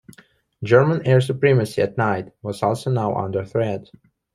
German air supremacy at night was also now under threat.